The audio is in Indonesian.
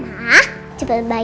papa temanin mama ya